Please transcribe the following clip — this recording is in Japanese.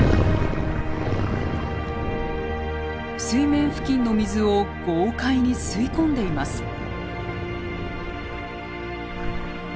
水面付近の水を豪快に吸い込んでいます。